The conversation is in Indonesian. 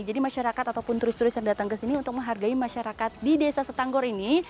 masyarakat ataupun turis turis yang datang ke sini untuk menghargai masyarakat di desa setanggor ini